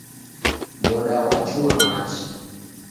Moda ghwachua machi